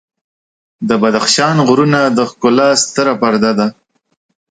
د بدخشان غرونه د ښکلا ستره پرده ده.